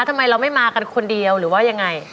ทำไมเราไม่มากันคนเดียวหรือว่ายังไง